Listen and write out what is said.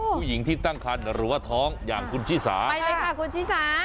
ผู้หญิงที่ตั้งคันหรือว่าท้องอย่างคุณชิสาไปเลยค่ะคุณชิสา